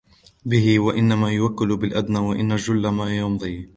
بِهِ ، وَإِنَّمَا يُوَكَّلُ بِالْأَدْنَى وَإِنْ جَلَّ مَا يَمْضِي